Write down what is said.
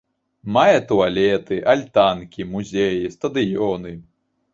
Мае туалеты, альтанкі, музеі, стадыёны.